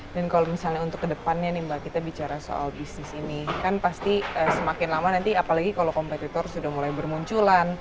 dan kalau misalnya untuk kedepannya nih mbak kita bicara soal bisnis ini kan pasti semakin lama nanti apalagi kalau kompetitor sudah mulai bermuncul